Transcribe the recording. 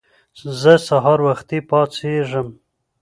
زه سهار وختی پاڅیږم